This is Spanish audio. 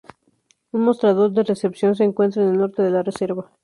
Un mostrador de recepción se encuentra en el norte de la reserva.